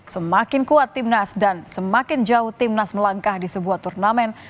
semakin kuat timnas dan semakin jauh timnas melangkah di sebuah turnamen